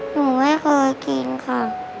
หนูไม่เคยกินค่ะ